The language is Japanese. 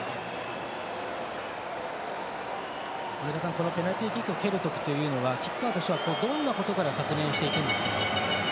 このペナルティーキックを蹴るときというのはキッカーというのはどんなことを確認するんですか。